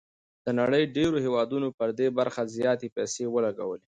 د نړۍ ډېرو هېوادونو پر دې برخه زياتې پيسې ولګولې.